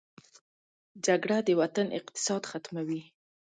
جګړه د وطن اقتصاد ختموي